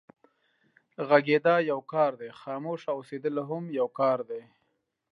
غږېدا يو کار دی، خاموشه اوسېدل هم يو کار دی.